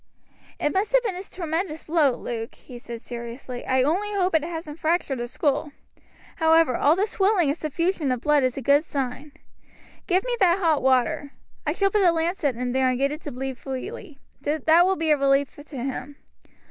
"It must have been a tremendous blow, Luke," he said seriously. "I, only hope it hasn't fractured the skull. However, all this swelling and suffusion of blood is a good sign. Give me that hot water. I shall put a lancet in here and get it to bleed freely. That will be a relief to him."